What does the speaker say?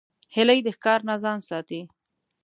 هیلۍ د ښکار نه ځان ساتي